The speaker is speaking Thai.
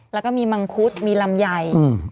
แล้วก็มีมังคุดมีลำไย